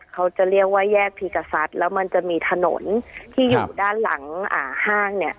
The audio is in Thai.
เขาจะเรียกว่าแยกพีกษัตริย์แล้วมันจะมีถนนที่อยู่ด้านหลังห้างเนี่ย